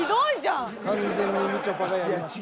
完全にみちょぱがやりました。